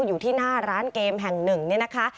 อยู่ที่หน้าร้านเกมแห่งหนึ่งเนี่ยนะคะ